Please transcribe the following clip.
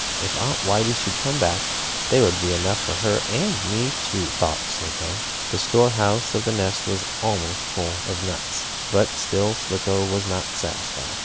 "If Aunt Whitey should come back, there would be enough for her and me too," thought Slicko. The store house of the nest was almost full of nuts, but still Slicko was not satisfied.